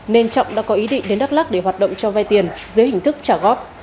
nên trọng đã có ý định đến đắk lắc để hoạt động cho vay tiền dưới hình thức trả góp